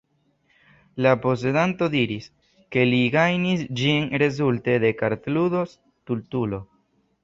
La posedanto diris, ke li gajnis ĝin rezulte de kartludo Stultulo.